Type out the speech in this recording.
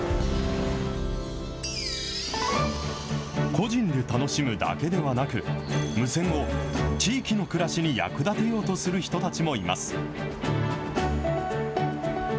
個人で楽しむだけではなく、無線を地域の暮らしに役立てようとする人たちもいます。